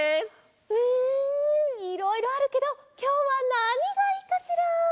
うんいろいろあるけどきょうはなにがいいかしら？